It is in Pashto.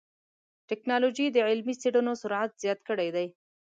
ټکنالوجي د علمي څېړنو سرعت زیات کړی دی.